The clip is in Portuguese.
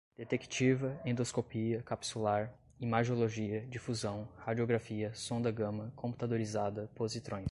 detectiva, endoscopia capsular, imagiologia, difusão, radiografia, sonda gama, computadorizada, positrões